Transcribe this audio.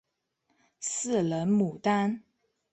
四棱牡丹